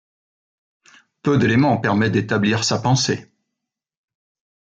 Peu d'éléments permettent d'établir sa pensée.